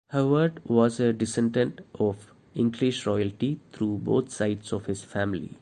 Howard was a descendant of English royalty through both sides of his family.